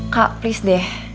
kak please deh